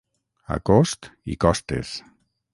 A cost i costes.